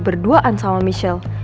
berduaan sama michelle